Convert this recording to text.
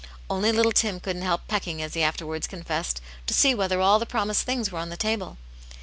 Only little Tim couldn't help " peek ing," as he afterwards confessed, to see whether all the promised things were on the table.